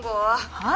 はい。